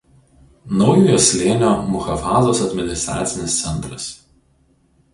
Naujojo Slėnio muchafazos administracinis centras.